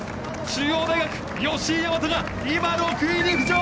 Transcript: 中央大学、吉居大和が今、６位に浮上！